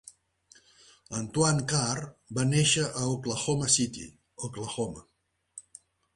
Antoine Carr va néixer a Oklahoma City, Oklahoma.